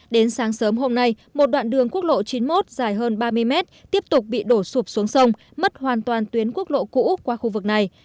đến sáng sớm hôm nay một đoạn đường quốc lộ chín mươi một dài hơn ba mươi mét tiếp tục bị đổ sụp xuống sông mất hoàn toàn tuyến quốc lộ cũ qua khu vực này